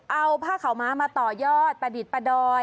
เอาผ้าขาวม้ามาต่อยอดประดิษฐ์ประดอย